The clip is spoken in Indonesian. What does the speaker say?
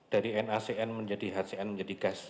dari nacn menjadi hcn menjadi gas